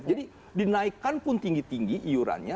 jadi dinaikkan pun tinggi tinggi iuran